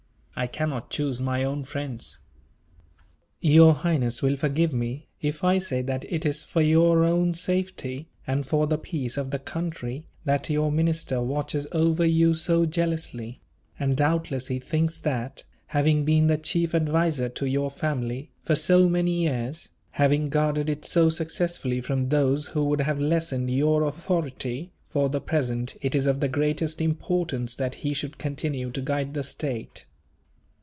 I cannot choose my own friends." "Your Highness will forgive me, if I say that it is for your own safety, and for the peace of the country that your minister watches over you so jealously; and doubtless he thinks that, having been the chief adviser to your family, for so many years, having guarded it so successfully from those who would have lessened your authority, for the present it is of the greatest importance that he should continue to guide the state."